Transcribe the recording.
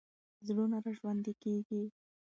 زړونه راژوندي کېږي.